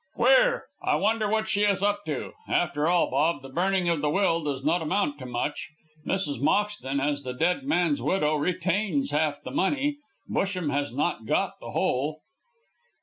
"Queer. I wonder what she is up to. After all, Bob, the burning of the will does not amount to much. Mrs. Moxton, as the dead man's widow, retains half the money. Busham has not got the whole."